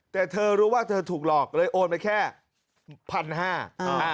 แต่เธอรู้ว่าเธอถูกหลอกเลยโอนไปแค่พันห้า